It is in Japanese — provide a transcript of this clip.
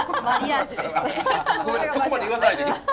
そこまで言わないで。